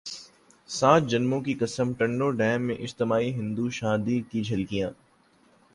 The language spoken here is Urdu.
سات جنموں کی قسم ٹنڈو دم میں اجتماعی ہندو شادی کی جھلکیاں